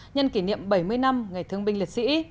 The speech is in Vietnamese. nhân kỷ niệm bảy mươi năm ngày thương binh liệt sĩ